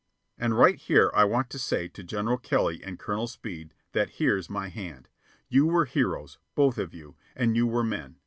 And right here I want to say to General Kelly and Colonel Speed that here's my hand. You were heroes, both of you, and you were men.